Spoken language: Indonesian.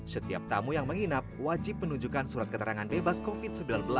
setiap tamu yang menginap wajib menunjukkan surat keterangan bebas covid sembilan belas